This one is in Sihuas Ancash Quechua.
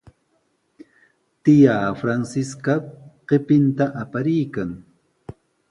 Tiyaa Francisca qipinta apariykan.